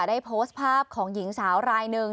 ได้โพสต์ภาพของหญิงสาวรายหนึ่ง